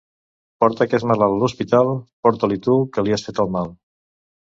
Porta aquest malalt a l'hospital! —Porta-li tu, que li has fet el mal!